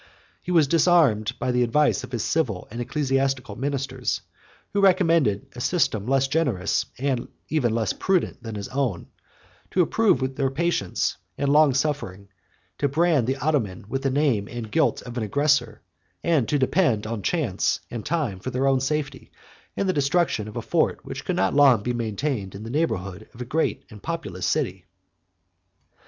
He was disarmed by the advice of his civil and ecclesiastical ministers, who recommended a system less generous, and even less prudent, than his own, to approve their patience and long suffering, to brand the Ottoman with the name and guilt of an aggressor, and to depend on chance and time for their own safety, and the destruction of a fort which could not long be maintained in the neighborhood of a great and populous city.